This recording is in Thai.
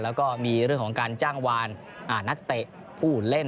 แล้วก็มีเรื่องของการจ้างวานนักเตะผู้เล่น